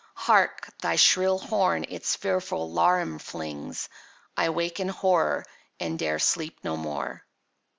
Hark, thy shrill horn its fearful laram flings! —I wake in horror, and 'dare sleep no more!